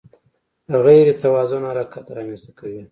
غیر توازن حرکت رامنځته کوي.